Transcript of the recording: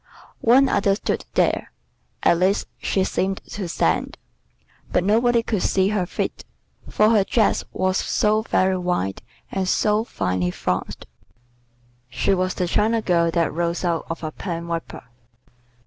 One other stood there, at least she seemed to stand, but nobody could see her feet, for her dress was so very wide and so finely flounced. She was the china girl that rose out of a pen wiper.